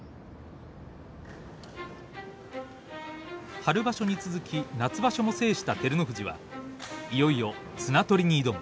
春場所に続き夏場所も制した照ノ富士はいよいよ綱取りに挑む。